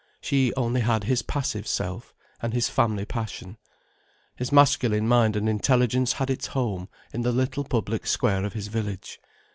She only had his passive self, and his family passion. His masculine mind and intelligence had its home in the little public square of his village.